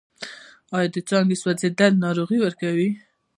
آیا د څانګو سوځول ناروغۍ ورکوي؟